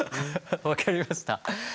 分かりました。